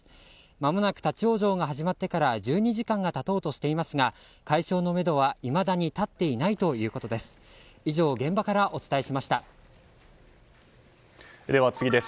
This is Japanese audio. まもなく立ち往生が始まってから１２時間が経とうとしていますが解消のめどはいまだに立っていないということです。